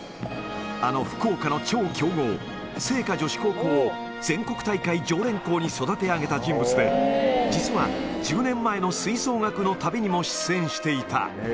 あの福岡の超強豪、精華女子高校を全国大会常連校に育て上げた人物で、実は１０年前の吹奏楽の旅にも出演していた。